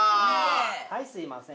はいすいません。